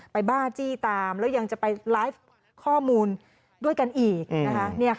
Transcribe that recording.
บ้าจี้ตามแล้วยังจะไปไลฟ์ข้อมูลด้วยกันอีกนะคะ